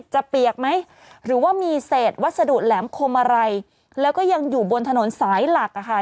เปียกไหมหรือว่ามีเศษวัสดุแหลมคมอะไรแล้วก็ยังอยู่บนถนนสายหลักอะค่ะ